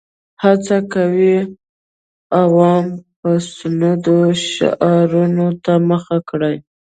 هڅه کوي عوام پسندو شعارونو ته مخه کړي.